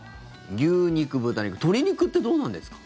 牛肉、豚肉鶏肉ってどうなんですか？